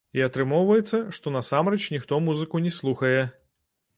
І атрымоўваецца, што насамрэч ніхто музыку не слухае.